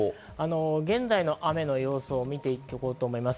現在の雨の様子を見ていこうと思います。